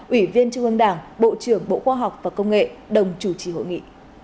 ủy viên trung ương đảng bộ trưởng bộ khoa học và công nghệ đồng chủ trì hội nghị